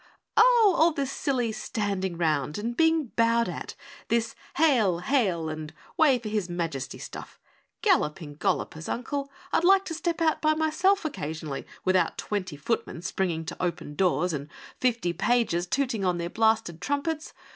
"Oh, all this silly standing round and being bowed at, this 'Hail! Hail! and Way for His Majesty!' stuff. Galloping Gollopers, Uncle, I'd like to step out by myself occasionally without twenty footmen springing to open doors and fifty pages tooting on their blasted trumpets.